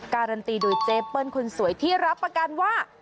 การันตีโดยเจเปิ้ลคนสวยที่รับประกันว่า